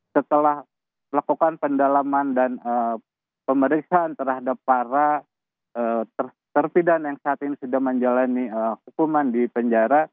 setelah melakukan pendalaman dan pemeriksaan terhadap para terpidana yang saat ini sudah menjalani hukuman di penjara